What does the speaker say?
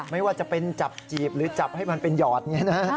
ไม่ว่าจะเป็นจับจีบหรือจับให้มันเป็นหอดอย่างนี้นะ